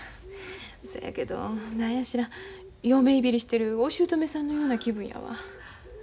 そやけど何や知らん嫁いびりしてるおしゅうとめさんのような気分やわ。